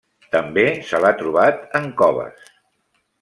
També se l'ha trobat en coves.